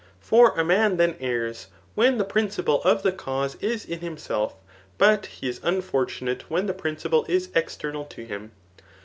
For a man then errs, when the principle of the cause is in himself; but he is unfor tunate when the principle is external to him.